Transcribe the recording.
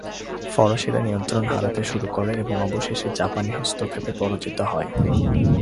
ফরাসিরা নিয়ন্ত্রণ হারাতে শুরু করে এবং অবশেষে জাপানি হস্তক্ষেপে পরাজিত হয়।